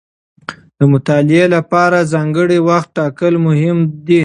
د مطالعې لپاره ځانګړی وخت ټاکل مهم دي.